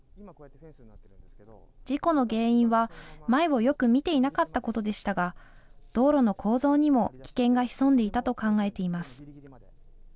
事故の原因は前をよく見ていなかったことでしたが道路の構造にも危険が潜んでいたと考えています。